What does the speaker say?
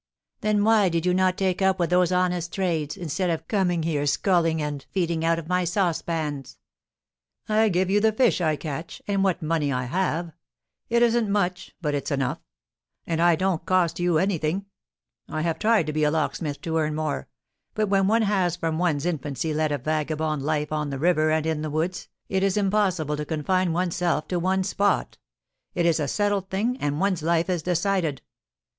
"Then why did you not take up with those honest trades, instead of coming here skulking and feeding out of my saucepans?" "I give you the fish I catch, and what money I have. It isn't much, but it's enough; and I don't cost you anything. I have tried to be a locksmith to earn more; but when one has from one's infancy led a vagabond life on the river and in the woods, it is impossible to confine oneself to one spot. It is a settled thing, and one's life is decided.